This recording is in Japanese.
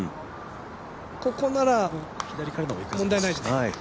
ここなら問題ないですね。